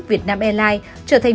việt nam airlines trở thành